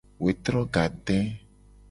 Wetro gade.